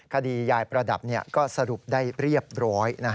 คดียายประดับก็สรุปได้เรียบร้อย